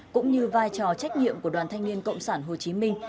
cũng như vai trò trách nhiệm của đoàn thanh niên cộng sản hồ chí minh